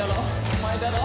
お前だろ？